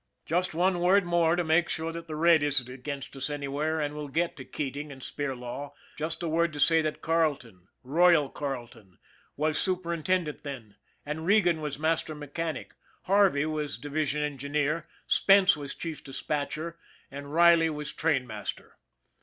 Just one word more to make sure that the red isn't against us anywhere and we'll get to Keating and Spir law just a word to say that Carleton, " Royal " Carle ton, was superintendent then, and Regan was master mechanic, Harvey was division engineer, Spence was chief dispatcher, and Riley was trainmaster.